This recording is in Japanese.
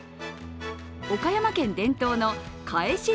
岡山県伝統の返し